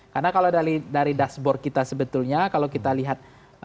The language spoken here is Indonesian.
karena kalau dari dashboard kita sebetulnya kalau kita lihat